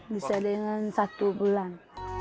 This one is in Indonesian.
bisa dengan satu bulan